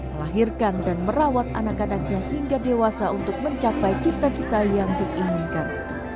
melahirkan dan merawat anak anaknya hingga dewasa untuk mencapai cita cita yang diinginkan